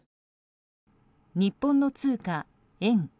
日本の通貨、円。